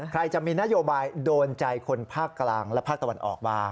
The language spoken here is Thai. ใครจะมีนโยบายโดนใจคนภาคกลางและภาคตะวันออกมา